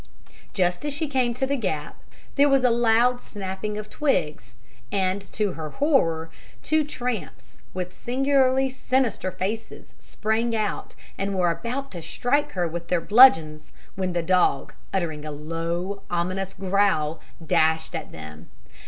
Just as she came to the gap, there was a loud snapping of twigs, and, to her horror, two tramps, with singularly sinister faces, sprang out, and were about to strike her with their bludgeons, when the dog, uttering a low, ominous growl, dashed at them.